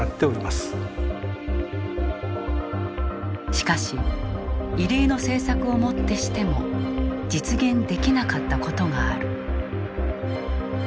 しかし、異例の政策をもってしても実現できなかったことがある。